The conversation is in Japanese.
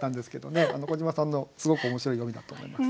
小島さんのすごく面白い読みだと思います。